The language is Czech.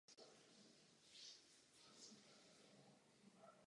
Syn se díky otcově závěti stane partnerem v pohřebním podnikání se svým bratrem Davidem.